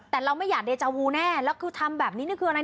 แต่เราไม่อยากเดจาวูแน่แล้วคือทำแบบนี้นี่คืออะไร